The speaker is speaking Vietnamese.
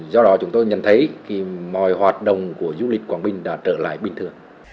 do đó chúng tôi nhận thấy mọi hoạt động của du lịch quảng bình đã trở lại bình thường